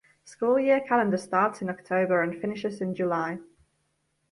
School year calendar starts in October and finishes in July.